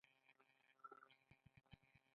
د افغانستان موسیقی ځانګړې ده